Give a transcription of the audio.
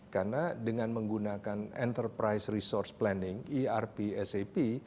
karena dengan menggunakan enterprise resource planning erp sap